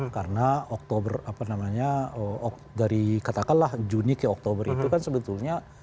karena oktober apa namanya dari katakanlah juni ke oktober itu kan sebetulnya